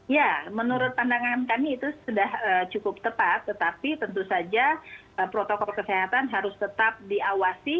ya menurut pandangan kami itu sudah cukup ketat tetapi tentu saja protokol kesehatan harus tetap diawasi